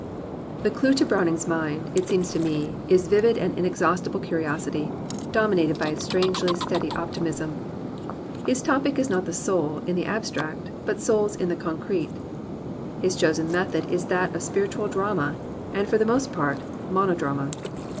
The clew to Browning's mind, it seems to me, is vivid and inexhaustible curiosity, dominated by a strangely steady optimism. His topic is not the soul, in the abstract, but souls in the concrete. His chosen method is that of spiritual drama, and for the most part, monodrama.